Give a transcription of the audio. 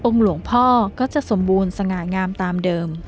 หลวงพ่อก็จะสมบูรณ์สง่างามตามเดิม